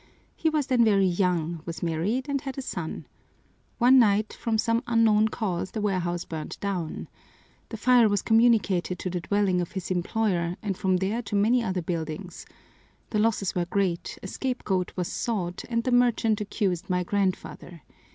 He was then very young, was married, and had a son. One night from some unknown cause the warehouse burned down. The fire was communicated to the dwelling of his employer and from there to many other buildings. The losses were great, a scapegoat was sought, and the merchant accused my grandfather.